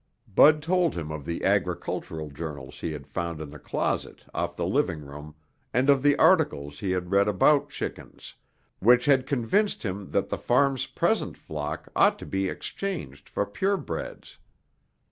Bud told him of the agricultural journals he had found in the closet off the living room and of the articles he had read about chickens, which had convinced him that the farm's present flock ought to be exchanged for purebreds.